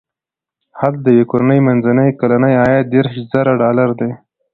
هلته د یوې کورنۍ منځنی کلنی عاید دېرش زره ډالر دی.